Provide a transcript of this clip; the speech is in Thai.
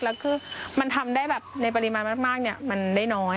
แล้วคือมันทำได้แบบในปริมาณมากมันได้น้อย